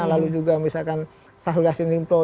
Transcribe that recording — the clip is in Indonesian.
lalu juga misalkan sahul yassin limploh